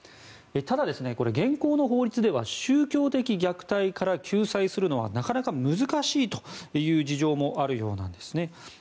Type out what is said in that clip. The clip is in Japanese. ただ、現行の法律では宗教的虐待から救済するのはなかなか難しいという事情もあるようなんです。